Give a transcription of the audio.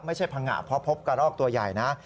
พังงะเพราะพบกระรอกตัวใหญ่นะ